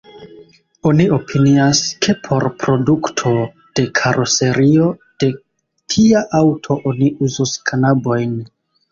Oni opinias, ke por produkto de karoserio de tia aŭto oni uzos kanabojn.